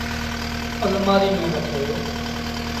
اَلمآريٚ ميݩ رکي۔